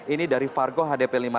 ini dari fargo hdp lima ribu